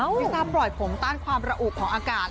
ลิซ่าปล่อยผมต้านความระอุของอากาศ